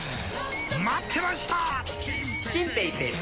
待ってました！